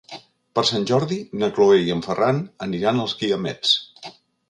Per Sant Jordi na Cloè i en Ferran aniran als Guiamets.